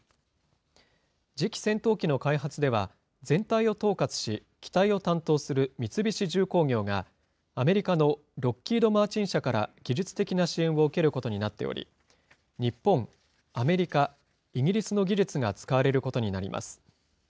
次期戦闘機の開発では、全体を統括し、機体を担当する三菱重工業が、アメリカのロッキード・マーチン社から技術的な支援を受けることになっており、日本、アメリカ、イギリスの技術が使われることになります。